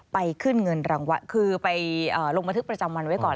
ไปขึ้นเงินรางวัลคือไปลงบันทึกประจำวันไว้ก่อน